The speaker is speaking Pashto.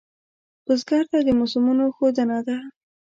بزګر ته د موسمونو ښوونه ده